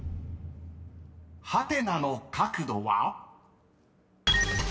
［ハテナの角度は？］